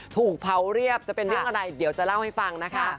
ถูกเผาเรียบจะเป็นเรื่องอะไรเดี๋ยวจะเล่าให้ฟังนะคะ